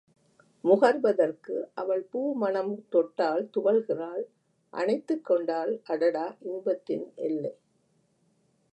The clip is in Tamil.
முகர்வதற்கு அவள் பூ மணம் தொட்டால் துவள்கிறாள் அணைத்துக் கொண்டாள் அடடா இன்பத்தின் எல்லை.